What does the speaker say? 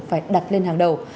phải đặt lên hàng đầu